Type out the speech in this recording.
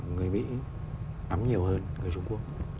nắm nhiều hơn người trung quốc